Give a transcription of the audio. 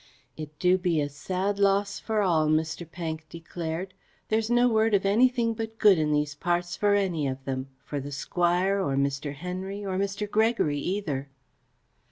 "It do be a sad loss for all," Mr. Pank declared. "There's no word of anything but good in these parts for any of them for the Squire, or Mr. Henry, or Mr. Gregory either."